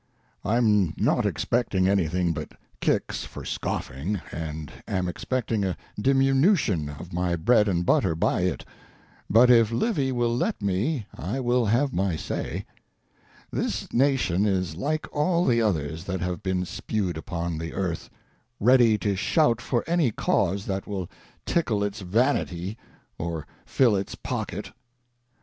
I*m not expecting anything bat for scoffing, and am expecting a diminutiQi) of v^j 704 MARK TWAIN'S LETTERS bread and butter by it, but if Livy will let me I will have xny say. This nation is like all the others that have been spewed upon the earth — ready to shout for any cause that will tidde its vanity or fill its pocket.